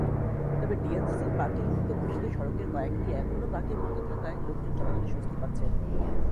তবে ডিএনসিসির পার্কিংমুক্ত ঘোষিত সড়কের কয়েকটি এখনো পার্কিংমুক্ত থাকায় লোকজন চলাচলে স্বস্তি পাচ্ছেন।